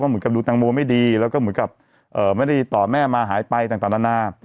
เหมือนกับดูตังโมไม่ดีแล้วก็เหมือนกับไม่ได้ต่อแม่มาหายไปต่างนานา